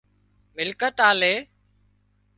ملڪيت آلي